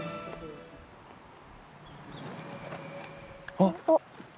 あっ！